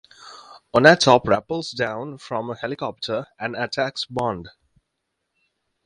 Onatopp rappels down from a helicopter and attacks Bond.